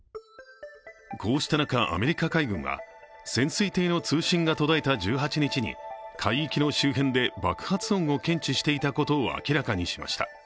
こうした中、アメリカ海軍は潜水艇の通信が途絶えた１８日に、海域の周辺で、爆発音を検知していたことを明らかにしました。